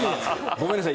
ごめんなさい